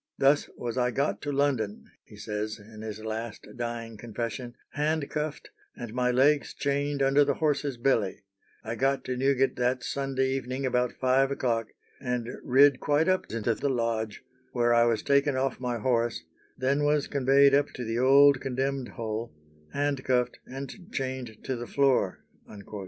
"Thus was I got to London," he says in his last dying confession, "handcuffed, and my legs chained under the horse's belly; I got to Newgate that Sunday evening about five o'clock, and rid quite up into the lodge, where I was taken off my horse, then was conveyed up to the old condemned hole, handcuffed, and chained to the floor."